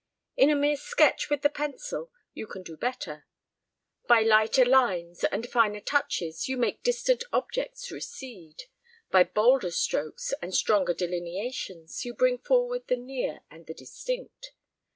In a mere sketch with the pencil you can do better: by lighter lines and finer touches you make distant objects recede; by bolder strokes and stronger delineations you bring forward the near and the distinct.